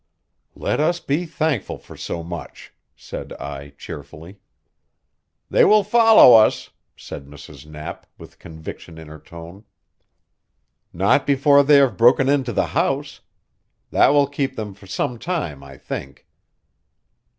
"Let us be thankful for so much," said I cheerfully. "They will follow us," said Mrs. Knapp, with conviction in her tone. "Not before they have broken into the house. That will keep them for some time, I think."